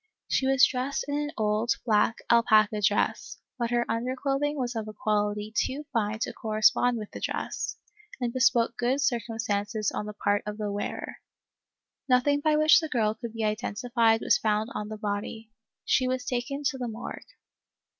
She was dressed in an old, black alpaca dress, but her underclothing was of a quality too fine to correspond with the dress, and bespoke good circumstances on the part of the wearer. Nothing by which the girl could be identified was found on the body. She was taken to the morgue."